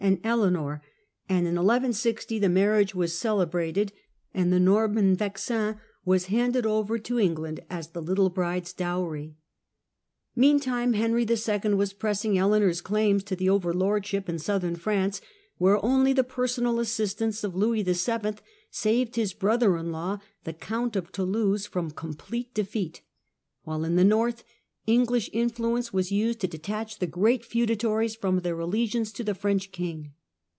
and Eleanor, and in 1160 the marriage was celebrated, and the Norman Vexin was handed over to England as the little bride's dowry. Meantime, Henry II. was pressing Eleanor's claims to overlordship in Southern France, where only the personal assistance of Louis VII. saved his brother in law, the Count of Toulouse, from complete defeat, while in the North, English influence was used to detach the great feudatories from their allegiance to the French king.